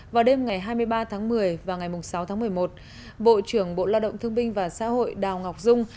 vào đêm ngày hai mươi ba tháng một mươi và ngày sáu tháng một mươi một bộ trưởng bộ lao động thương binh và xã hội đào ngọc dung